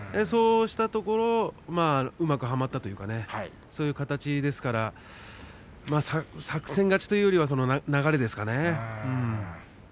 そうしたところうまくはまったというかそういう形ですから作戦勝ちというよりは流れですかね。